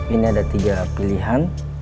ini ada tiga pilihan